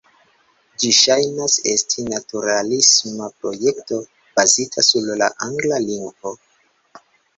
Ĝi ŝajnas esti naturalisma projekto bazita sur la angla lingvo.